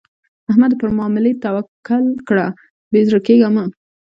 احمده؛ پر ماملې توکل کړه؛ بې زړه کېږه مه.